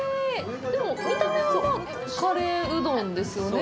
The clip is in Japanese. でも、見た目はカレーうどんですよね。